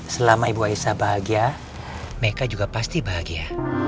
selama ibu aisa bahagia meka juga pasti bahagia